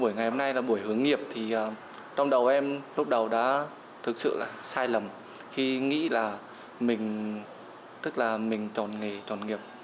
bởi ngày hôm nay là buổi hướng nghiệp thì trong đầu em lúc đầu đã thực sự là sai lầm khi nghĩ là mình chọn nghề chọn nghiệp